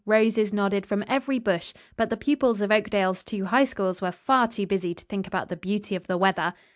Roses nodded from every bush, but the pupils of Oakdale's two High Schools were far too busy to think about the beauty of the weather.